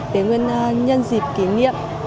để nhân dịp kỷ niệm